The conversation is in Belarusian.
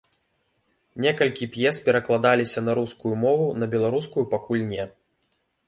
Некалькі п'ес перакладаліся на рускую мову, на беларускую пакуль не.